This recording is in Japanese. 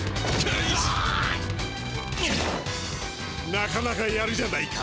なかなかやるじゃないか。